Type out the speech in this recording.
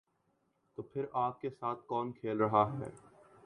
تو پھر آگ کے ساتھ کون کھیل رہا ہے؟